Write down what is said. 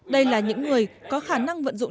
đây là những người có khả năng vận dụng